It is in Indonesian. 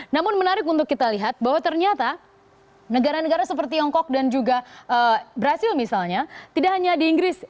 namun menarik untuk kita lihat bahwa ternyata negara negara seperti tiongkok dan juga brazil misalnya tidak hanya di inggris